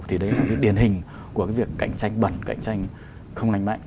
thì đấy là một cái điển hình của cái việc cạnh tranh bẩn cạnh tranh không lành mạnh